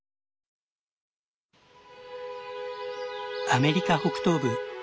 アメリカ北東部。